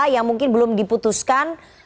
yang mungkin belum diputuskan